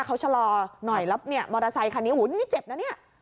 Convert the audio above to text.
เขาชะลอหน่อยแล้วเนี่ยมอเตอร์ไซคันนี้นี่เจ็บนะเนี่ย